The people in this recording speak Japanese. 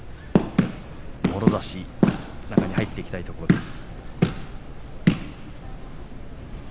もろ差し、中に入っていきたいところです。